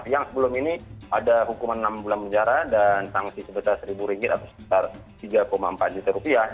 yang sebelum ini ada hukuman enam bulan penjara dan sanksi sebesar seribu ringgir atau sekitar tiga empat juta rupiah